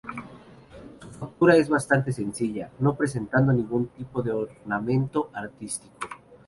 Su factura es bastante sencilla, no presentando ningún tipo de ornamento artístico.